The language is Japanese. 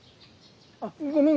あっごめん